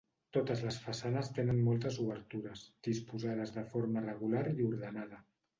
Totes les façanes tenen moltes obertures, disposades de forma regular i ordenada.